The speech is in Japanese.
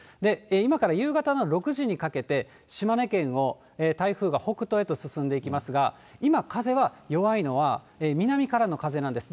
今から夕方の６時にかけて、島根県を台風が北東へと進んでいきますが、今、風は弱いのは南からの風なんです。